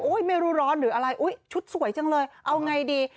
ไม่รู้ร้อนหรืออะไรอุ๊ยชุดสวยจังเลยเอาไงดี